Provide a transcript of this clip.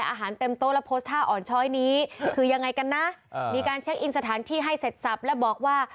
อาหารเต็มโต๊ะแล้วโพสต์ท่าอ่อนช้อยนี้คือยังไงกันนะมีการเช็คอินสถานที่ให้เสร็จสับและบอกว่า